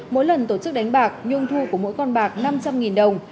mỗi lần tổ chức đánh bạc nhung thu của mỗi con bạc năm trăm linh đồng